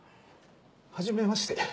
はじめまして。